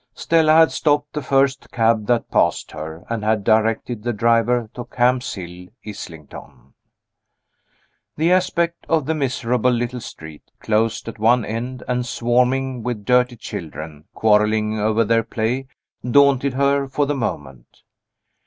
Stella had stopped the first cab that passed her, and had directed the driver to Camp's Hill, Islington. The aspect of the miserable little street, closed at one end, and swarming with dirty children quarreling over their play, daunted her for the moment.